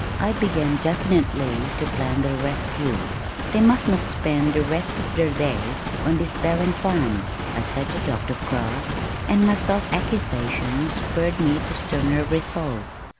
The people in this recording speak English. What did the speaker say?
I began definitely to plan their rescue. "They must not spend the rest of their days on this barren farm," I said to Dr. Cross, and my self accusation spurred me to sterner resolve.